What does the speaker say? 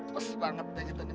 pes banget deh kita nih